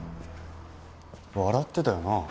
笑ってたよな